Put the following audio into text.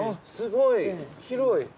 すごい広い！